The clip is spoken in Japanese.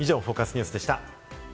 ニュースでした。